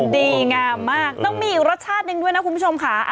ดีงามมากต้องมีอีกรสชาติหนึ่งด้วยนะคุณผู้ชมค่ะ